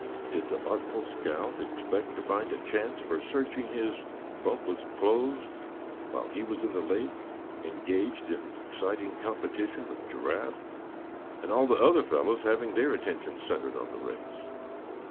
Did the artful scout expect to find a chance for searching his, Bumpus' clothes, while he was in the lake, engaged in an exciting competition with Giraffe; and all the other fellows having their attention centered on the race?